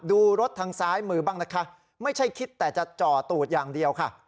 ดูรถทางซ้ายมือบ้างนะคะไม่ใช่คิดแต่จะจ่อตูดอย่างเดียวค่ะ